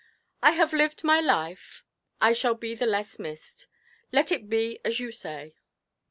'I have lived my life I shall be the less missed.... Let it be as you say.'